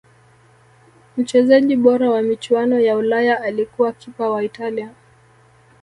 mchezaji bora wa michuano ya ulaya alikuwa kipa wa italia